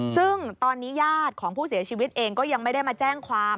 ซึ่งตอนนี้ญาติของผู้เสียชีวิตเองก็ยังไม่ได้มาแจ้งความ